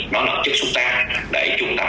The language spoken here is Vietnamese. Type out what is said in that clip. nó là chất xuất tăng để chúng ta